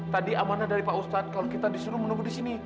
tadi amanah dari pak ustadz kalau kita disuruh menunggu di sini